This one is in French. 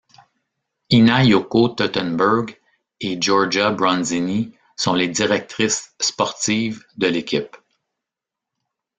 Ina-Yoko Teutenberg et Giorgia Bronzini sont les directrices sportives de l'équipe.